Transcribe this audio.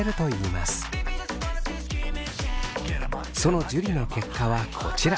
その樹の結果はこちら。